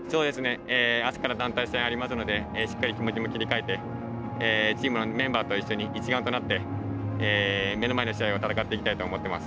あすから団体戦がありますのでしっかりと気持ちも切り替えてチームのメンバーと一緒に一丸となって目の前の試合を戦っていきたいと思います。